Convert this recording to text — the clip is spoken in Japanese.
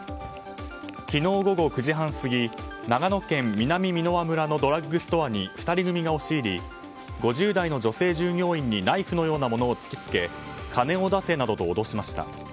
昨日午後９時半過ぎ長野県南箕輪村のドラッグストアに２人組が押し入り５０代の女性従業員にナイフのようなものを突きつけ金を出せなどと脅しました。